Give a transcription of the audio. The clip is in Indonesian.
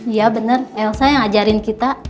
iya bener elsa yang ngajarin kita